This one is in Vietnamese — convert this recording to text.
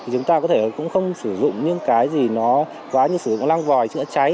chúng ta có thể cũng không sử dụng những cái gì nó quá như sử dụng lang vòi chữa cháy